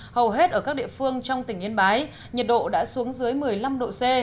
hầu hết ở các địa phương trong tỉnh yên bái nhiệt độ đã xuống dưới một mươi năm độ c